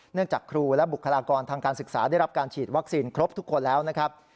จากครูและบุคลากรทางการศึกษาได้รับการฉีดวัคซีนครบทุกคนแล้วนะครับ